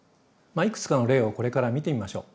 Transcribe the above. いくつかの例をこれから見てみましょう。